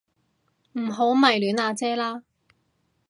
唔好迷戀阿姐啦